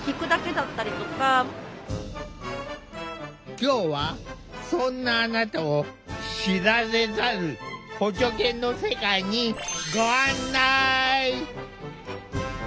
今日はそんなあなたを知られざる補助犬の世界にごあんない。